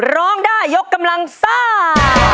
ร้องได้ยกกำลังซ่า